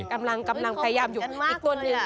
กำลังพยายามอยู่อีกตัวหนึ่ง